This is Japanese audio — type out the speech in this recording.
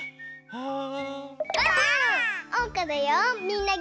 うん？